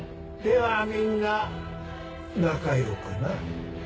ではみんな仲良くな？